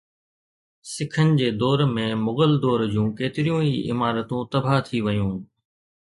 سکن جي دور ۾ مغل دور جون ڪيتريون ئي عمارتون تباهه ٿي ويون